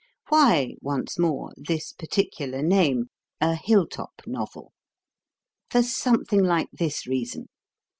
Why, once more, this particular name, "A Hill top Novel"? For something like this reason.